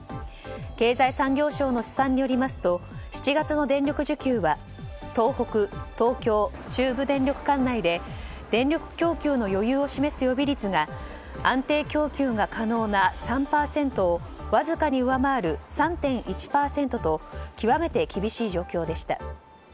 経済産業省の試算によりますと７月の電力需給は東北・東京・中部電力管内で電力供給の余裕を示す予備率が安定供給が可能な３％をわずかに上回る３．１％と極めて厳しい状況でした。